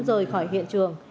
rời khỏi hiện trường